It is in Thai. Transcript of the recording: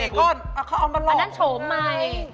อันนั้นโฉมใหม่